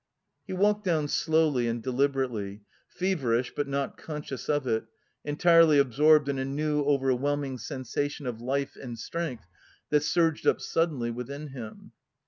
He walked down slowly and deliberately, feverish but not conscious of it, entirely absorbed in a new overwhelming sensation of life and strength that surged up suddenly within him.